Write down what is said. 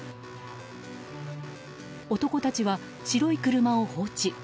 男たちは白い車を放置。